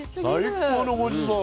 最高のごちそう。